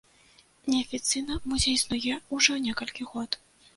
Неафіцыйна музей існуе ужо некалькі год.